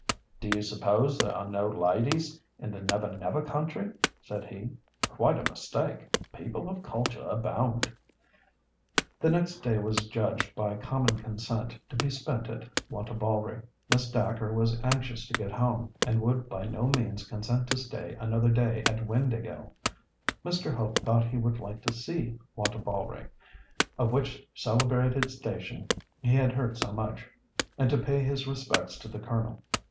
"Do you suppose there are no ladies in the 'Never Never' country?" said he. "Quite a mistake. People of culture abound." The next day was adjudged by common consent to be spent at Wantabalree. Miss Dacre was anxious to get home, and would by no means consent to stay another day at Windāhgil. Mr. Hope thought he would like to see Wantabalree, of which celebrated station he had heard so much, and to pay his respects to the Colonel.